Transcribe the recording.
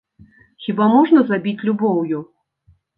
Хіба можна забіць любоўю?